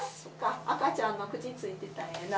赤ちゃんの口ついてたらええな。